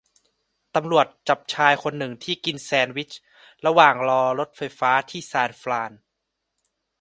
ตำรวจจับชายคนหนึ่งที่กินแชนด์วิชระหว่างรอรถไฟฟ้าที่ซานฟราน